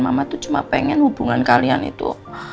mama tuh cuma pengen hubungan kalian itu